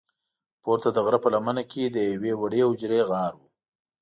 پورته د غره په لمنه کې د یوې وړې حجرې غار و.